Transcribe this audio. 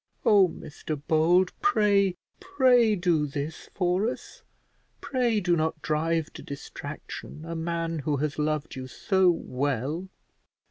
Oh, Mr Bold, pray, pray do this for us; pray do not drive to distraction a man who has loved you so well."